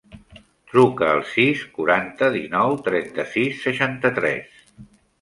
Truca al sis, quaranta, dinou, trenta-sis, seixanta-tres.